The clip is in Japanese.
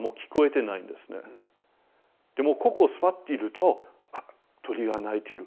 でもここ座っているとあっ鳥が鳴いてる。